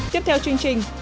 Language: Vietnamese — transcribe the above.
tiếp theo chương trình